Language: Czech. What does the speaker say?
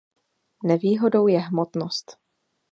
Nevýhodou je hmotnost.